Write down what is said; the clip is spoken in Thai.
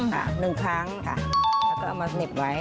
หนึ่งครั้งค่ะแล้วก็เอามาเสน็บไว้